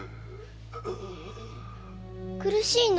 苦しいの？